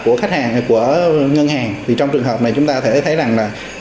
của khách hàng của ngân hàng thì trong trường hợp này chúng ta thấy rằng là